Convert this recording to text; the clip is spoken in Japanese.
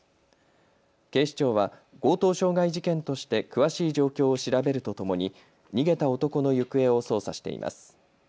警視庁は強盗傷害事件として詳しい状況を調べるとともに逃げた男の行方を捜査しています。